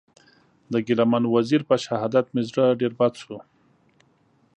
د ګیله من وزېر په شهادت مې زړه ډېر بد سو.